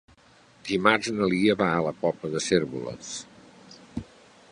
Dimarts na Lia va a la Pobla de Cérvoles.